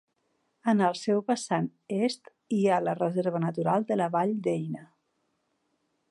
En el seu vessant est hi ha la Reserva Natural de la Vall d'Eina.